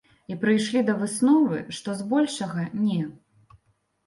І прыйшлі да высновы, што, з большага, не.